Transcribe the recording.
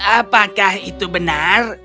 apakah itu benar